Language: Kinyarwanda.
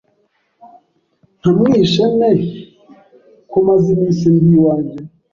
namwishe nte ko maze iminsi ndi iwanjye